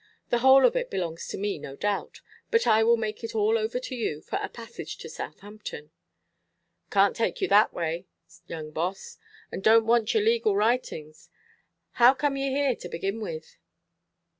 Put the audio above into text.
The whole of it belongs to me, no doubt; but I will make it all over to you, for a passage to Southampton." "Canʼt take you that way, young Boss, and donʼt want your legal writings. How come you here, to begin with?"